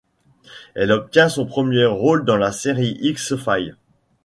Elle obtient son premier rôle dans la série X-Files.